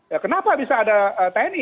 ya kenapa bisa ada tni